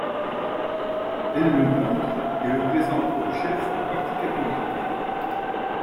Elle le montre et le présente comme chef au parti catholique.